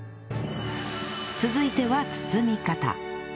続いては包み方